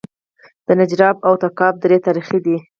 د نجراب او تګاب درې تاریخي دي